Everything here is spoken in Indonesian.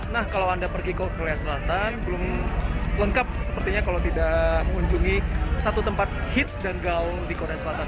nah kalau anda pergi ke korea selatan belum lengkap sepertinya kalau tidak mengunjungi satu tempat hits dan gaung di korea selatan